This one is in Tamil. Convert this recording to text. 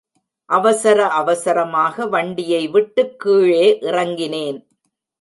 அவசர அவசரமாக வண்டியை விட்டுக் கீழே இறங்கினேன்.